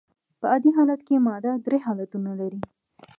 په عادي حالت کي ماده درې حالتونه لري.